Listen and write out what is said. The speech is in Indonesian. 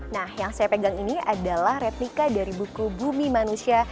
nah yang saya pegang ini adalah replika dari buku bumi manusia